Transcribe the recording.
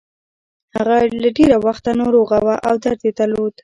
هغه له ډېره وخته ناروغه وه او درد يې درلود.